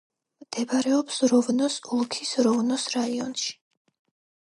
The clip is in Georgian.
მდებარეობს როვნოს ოლქის როვნოს რაიონში.